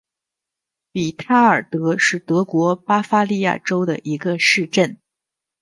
比塔尔德是德国巴伐利亚州的一个市镇。